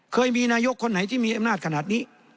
เคยมีนายกคนไหนที่มีอำนาจขนาดนี้